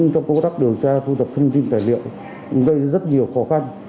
trong công tác điều tra thu thập thông tin tài liệu gây rất nhiều khó khăn